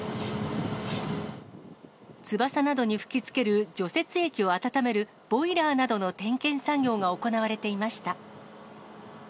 翼などに吹きつける除雪液を温めるボイラーなどの点検作業が行われていました。